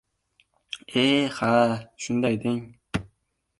— E, ha-a, shunday deng...